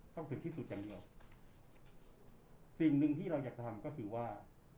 ถึงที่สุดอย่างเดียวสิ่งหนึ่งที่เราอยากทำก็คือว่า